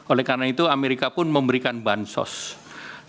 oleh karena itu amerika pun memberikan bansos